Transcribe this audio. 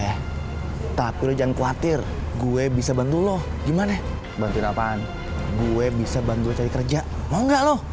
eh tapi udah jangan khawatir gue bisa bantu loh gimana bantuin apaan gue bisa bantu cari kerja mau nggak loh